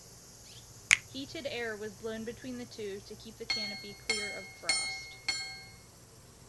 Heated air was blown between the two to keep the canopy clear of frost.